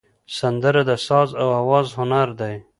سندره د ساز او آواز هنر دی